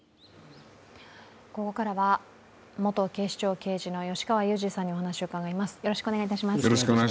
ここからは元警視庁刑事の吉川祐二さんにお話を伺います。